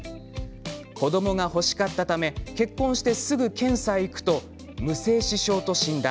子どもが欲しかったため結婚して、すぐ検査へ行くと無精子症と診断。